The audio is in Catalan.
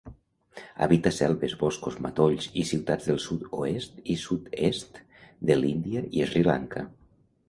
Habita selves, boscos, matolls i ciutats del sud-oest i sud-est de l'Índia i Sri Lanka.